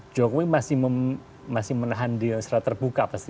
jokowi masih menahan dia secara terbuka pasti